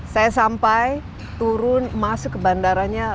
saya sampai turun masuk ke bandaranya